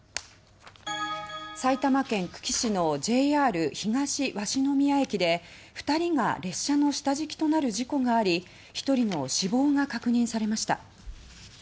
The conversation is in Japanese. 埼玉県久喜市のＪＲ東鷲宮駅で２人が列車の下敷きとなる事故があり１人の死亡が確認されました。